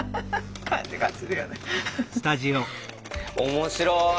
面白い。